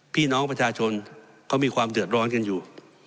พี่น้องประชาชนเขามีความเดือดร้อนกันอยู่